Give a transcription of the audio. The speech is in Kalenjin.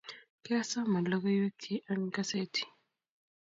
kiasoman lokoiweknyin an gasetii